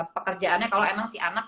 pekerjaannya kalau emang si anak